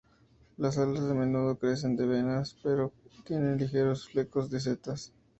Las alas a menudo carecen de venas, pero tienen ligeros flecos de setas.